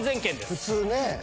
普通ね。